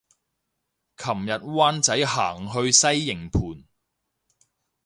琴日灣仔行去西營盤